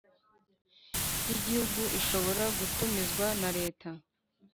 y Igihugu ishobora gutumizwa na leta